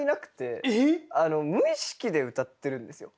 無意識で歌ってるんですよ。